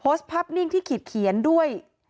ภาพนิ่งที่ขีดเขียนด้วย